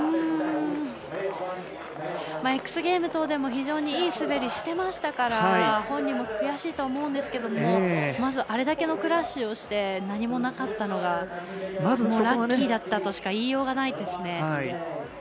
Ｘゲームズ等でも非常にいい滑りしてましたから本人も悔しいと思うんですけどまず、あれだけのクラッシュをして何もなかったのがラッキーだったとしか言いようがないですね。